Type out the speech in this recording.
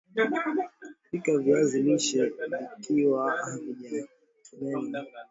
pika viazi lishe vikiwa havijamenywa